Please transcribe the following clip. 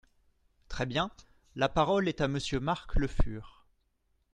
Très bien ! La parole est à Monsieur Marc Le Fur.